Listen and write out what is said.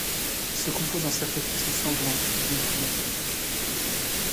Il se compose d'un sacrifice sanglant et d'une crémation.